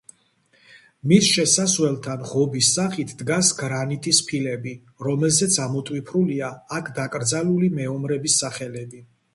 მის შესასვლელთან ღობის სახით დგას გრანიტის ფილები, რომელზეც ამოტვიფრულია აქ დაკრძალული მეომრების სახელები.